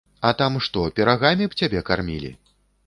А там што, пірагамі б цябе кармілі?